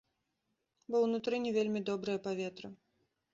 Бо ўнутры не вельмі добрае паветра.